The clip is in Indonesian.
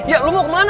ya lu mau kemana